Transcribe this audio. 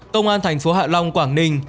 công an thành phố hạ long quảng ninh